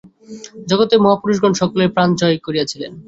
জগতের মহাপুরুষগণ সকলেই প্রাণ জয় করিয়াছিলেন।